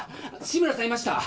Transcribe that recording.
志村さんいました